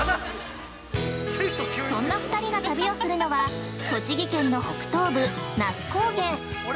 そんな２人が旅をするのは栃木県の北東部、那須高原。